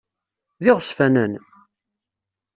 D iɣezfanen?